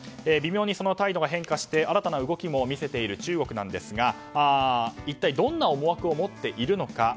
微妙にその態度が変化して新たな動きも見せている中国ですが一体どんな思惑を持っているのか。